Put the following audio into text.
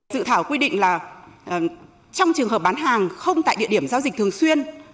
dự thảo quy định là trong trường hợp bán hàng không tại địa điểm giao dịch thường xuyên